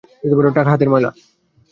টাকা হাতের ময়লা!